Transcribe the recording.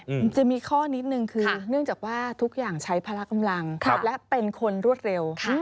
อืมจะมีข้อนิดนึงคือเนื่องจากว่าทุกอย่างใช้พละกำลังครับและเป็นคนรวดเร็วค่ะ